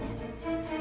biar dia mikir